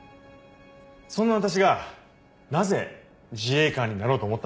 そんな私がなぜ自衛官になろうと思ったのか。